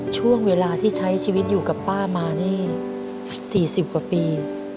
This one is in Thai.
ช่วงเวลาที่ใช้ชีวิตอยู่กับป้ามานี่๔๐กว่าปี